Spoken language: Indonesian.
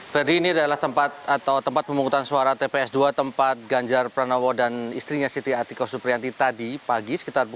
ferdie ini adalah tempat pemungutan suara tps dua tempat ganjar pranowo dan istrinya siti atiko suprianti tadi pagi